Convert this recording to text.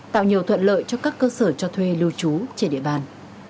tạo nhiều thuận lợi cho các cơ sở cho thuê lưu trú trên địa bàn